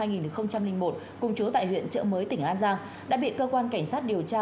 nguyễn thái dương sinh năm hai nghìn một cùng chú tại huyện trợ mới tỉnh an giang đã bị cơ quan cảnh sát điều tra